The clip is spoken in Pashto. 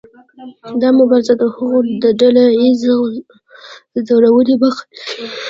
دا مبارزه د هغوی د ډله ایزې ځورونې مخه نیسي.